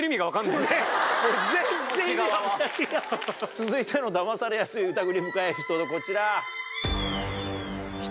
続いてのダマされやすい疑り深いエピソードこちら。